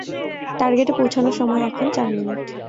টার্গেটে পৌঁছানোর সময় এখন চার মিনিট।